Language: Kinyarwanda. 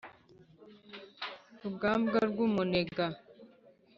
Rugambwa rw'umunega